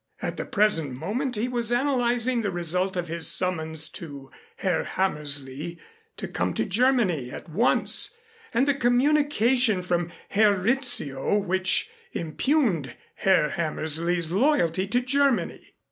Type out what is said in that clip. At the present moment he was analyzing the result of his summons to Herr Hammersley to come to Germany at once and the communication from Herr Rizzio which impugned Herr Hammersley's loyalty to Germany.